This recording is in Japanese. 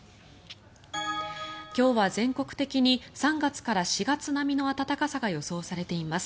今日は全国的に３月から４月並みの暖かさが予想されています。